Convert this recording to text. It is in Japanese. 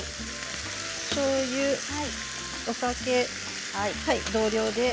しょうゆ、酒、同量です。